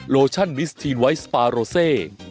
โลชั่นมิสทีนไวท์สปาโรเซ